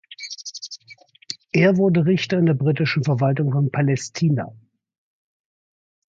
Er wurde Richter in der britischen Verwaltung von Palästina.